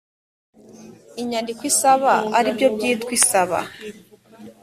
inyandiko isaba ari byo byitwa isaba